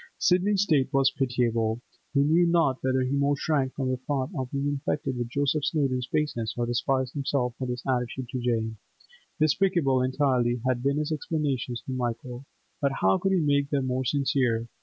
Sidney's state was pitiable. He knew not whether he more shrank from the thought of being infected with Joseph Snowdon's baseness or despised himself for his attitude to Jane. Despicable entirely had been his explanations to Michael, but how could he make them more sincere?